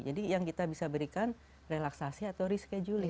jadi yang kita bisa berikan relaksasi atau rescheduling